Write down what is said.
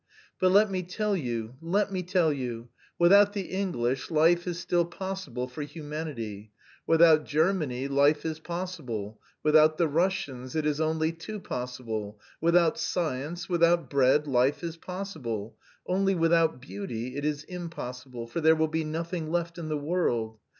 But let me tell you, let me tell you, without the English, life is still possible for humanity, without Germany, life is possible, without the Russians it is only too possible, without science, without bread, life is possible only without beauty it is impossible, for there will be nothing left in the world.